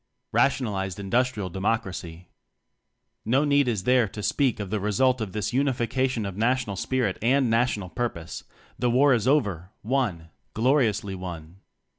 Rationalized Industrial Democracy. No need is there to speak of the result of this Unification of National Spirit and National Purpose the War is over; won! gloriously won!